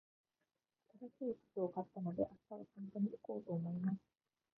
新しい靴を買ったので、明日は散歩に行こうと思います。